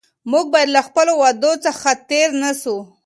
موږ باید له خپلو وعدو څخه تېر نه شو.